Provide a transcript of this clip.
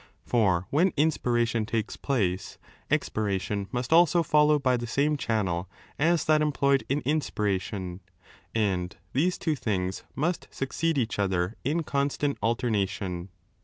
For when inspiration takes place, expiration must also follow by the same channel as that employed in inspiration, and these two things most succeed each other in constant alternation.